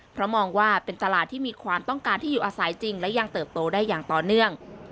เพราะมองว่าเป็นตลาดที่มีความต้องการที่อยู่อาศัยจริงและยังเติบโตได้อย่างต่อเนื่อง